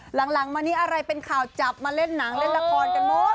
หลังมานี้อะไรเป็นข่าวจับมาเล่นหนังเล่นละครกันหมด